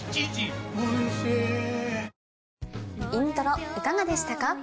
『イントロ』いかがでしたか？